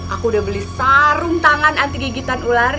aku udah beli sarung tangan anti gigitan ular